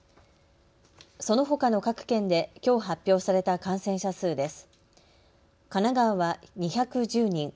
そのほかの各県できょう発表された感染者数です。